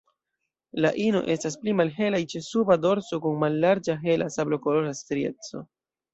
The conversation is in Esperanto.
La ino estas pli malhelaj ĉe suba dorso kun mallarĝa hela sablokolora strieco.